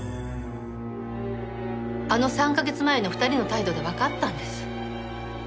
あの３カ月前の２人の態度でわかったんです。